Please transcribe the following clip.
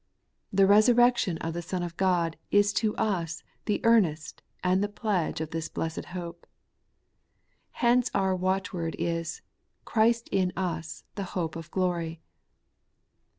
The resurrection of the Son of God is to us the earnest and the pledge of this blessed hope. Hence our watchword is, ' Christ in us, the hope of the glory.'